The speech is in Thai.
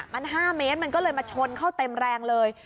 มัน๕เมตรมันก็เลยมาชนเข้าเต็มแรงเลย